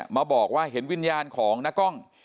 มาบอกว่าเห็นวิญญาณของน้ากล้อง